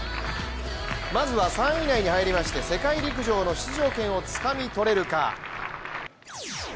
まずは３位以内に入りまして、世界陸上の出場権をつかみ取れるか。